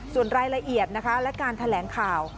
ส่วนรายละเอียดนะคะและการแถลงข่าว